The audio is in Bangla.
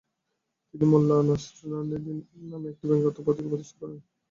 তিনি মোল্লা নাসরাদিন নামে একটি ব্যঙ্গাত্মক পত্রিকা প্রতিষ্ঠা করেন।